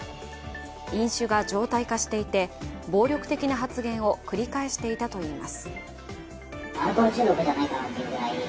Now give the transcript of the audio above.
飲酒が常態化していて暴力的な発言を繰り返していたといいます。